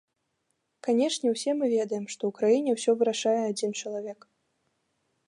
Канешне, усе мы ведаем, што ў краіне ўсё вырашае адзін чалавек.